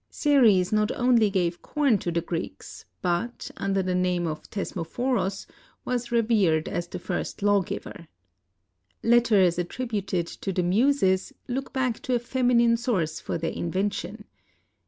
Ceres not only gave corn to the Greeks, but, under the name of Thesmophoros, was revered as the first law giver. Letters, attributed to the Muses, look back to a feminine source for their invention.